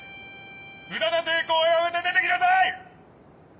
無駄な抵抗はやめて出て来なさい！